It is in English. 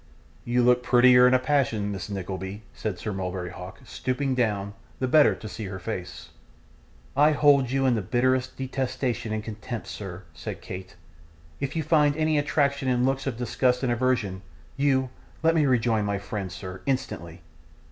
'You look prettier in a passion, Miss Nickleby,' said Sir Mulberry Hawk, stooping down, the better to see her face. 'I hold you in the bitterest detestation and contempt, sir,' said Kate. 'If you find any attraction in looks of disgust and aversion, you let me rejoin my friends, sir, instantly.